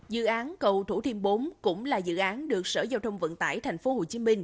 dự án cầu thủ thiêm bốn cũng là dự án được sở giao thông vận tải tp hcm